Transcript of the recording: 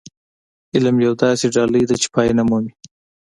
علم يوه داسې ډالۍ ده چې پای نه مومي.